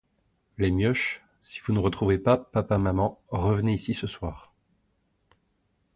Les mioches, si vous ne retrouvez pas papa maman, revenez ici ce soir.